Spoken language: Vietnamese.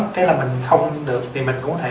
cái là mình không được thì mình cũng có thể